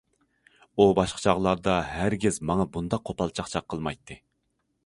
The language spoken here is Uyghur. ئۇ باشقا چاغلاردا ھەرگىز ماڭا بۇنداق قوپال چاقچاق قىلمايتتى.